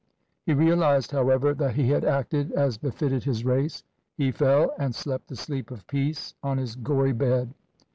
He realized, however, that he had acted as befitted his race. He fell and slept the sleep of peace on his gory bed.